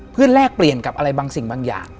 เพื่อแลกเปลี่ยนกับอะไรบางสิ่งบางอย่าง